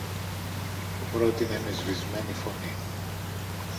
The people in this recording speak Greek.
πρότεινε με σβησμένη φωνή.